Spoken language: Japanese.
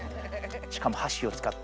しかも箸を使って。